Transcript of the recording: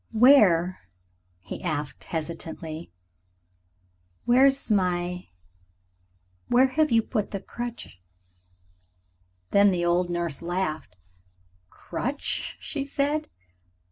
"Where ..." he asked, hesitatingly, "where's my...? Where have you put the crutch?" Then the old nurse laughed. "Crutch?" she said.